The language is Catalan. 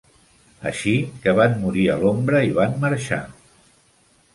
Així que van morir a l'ombra i van marxar.